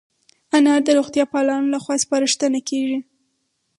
انار د روغتیا پالانو له خوا سپارښتنه کېږي.